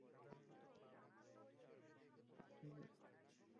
সবাই আঙ্কেল ড্যানিকে ভালোবাসবে।